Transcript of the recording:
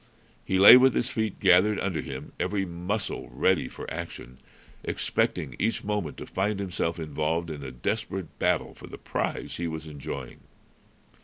He lay with his feet gathered under him, every muscle ready for action, expecting each moment to find himself involved in a desperate battle for the prize he was enjoying.